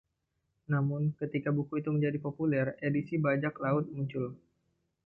Namun, ketika buku itu menjadi populer, edisi bajak laut muncul.